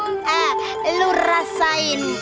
eh lu rasain